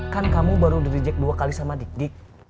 kan kamu baru di reject dua kali sama dik dik